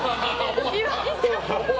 岩井さん。